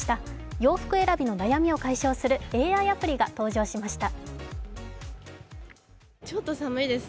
洋服選びの悩みを解消するＡＩアプリが登場しました。